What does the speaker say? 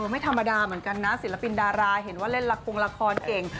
ไม่ธรรมดาเหมือนกันนะศิลปินดาราเห็นว่าเล่นละครงละครเก่ง